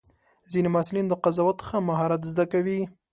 ځینې محصلین د قضاوت ښه مهارت زده کوي.